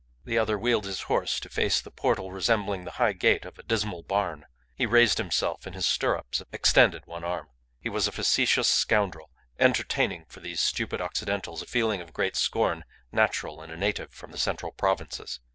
The other wheeled his horse to face the portal resembling the high gate of a dismal barn. He raised himself in his stirrups, extended one arm. He was a facetious scoundrel, entertaining for these stupid Occidentals a feeling of great scorn natural in a native from the central provinces.